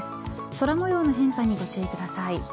空模様の変化にご注意ください。